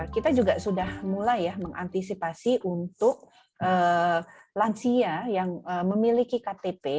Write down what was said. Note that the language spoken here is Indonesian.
kita juga sudah mulai ya mengantisipasi untuk lansia yang memiliki ktp